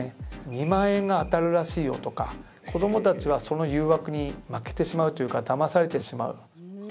「２万円が当たるらしいよ」とか子どもたちはその誘惑に負けてしまうというかだまされてしまう。